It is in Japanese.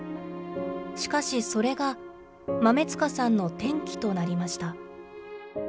しかしそれが、豆塚さんの転機となりました。